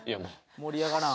盛り上がらん」